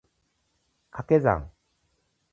掛け算